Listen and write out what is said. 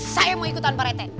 saya mau ikut tanpa retek